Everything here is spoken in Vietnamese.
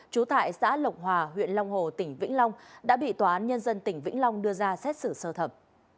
trú tại xã lộc hòa huyện long hồ tỉnh vĩnh long đã bị tòa án nhân dân tỉnh vĩnh long đưa ra xét xử sơ thẩm